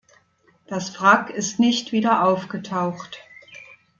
Das Wrack ist nicht wieder aufgetaucht.